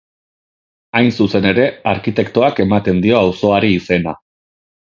Hain zuzen ere, arkitektoak ematen dio auzoari izena.